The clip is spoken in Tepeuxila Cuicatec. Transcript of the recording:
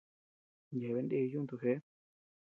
Yeabean ndee yuntu jeʼe.